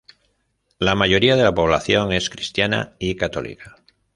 La mayoría de la población es Cristiana y Católica,